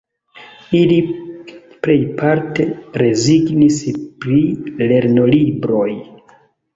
Ili plejparte rezignis pri lernolibroj.